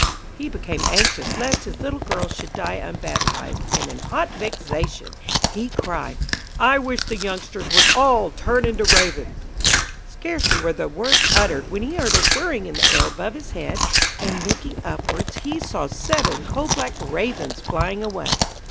He became anxious lest his little girl should die unbaptized, and in hot vexation, he cried: 'I wish the youngsters would all turn into Ravens!' Scarcely were the words uttered, when he heard a whirring in the air above his head, and, looking upwards, he saw seven coal black Ravens flying away.